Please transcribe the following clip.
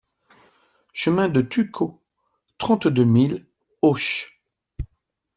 Chemin de Tuco, trente-deux mille Auch